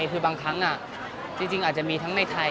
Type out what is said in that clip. จริงในไทยก็ได้หรือว่ามันยังไม่แน่